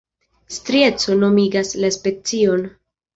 Strieco nomigas la specion.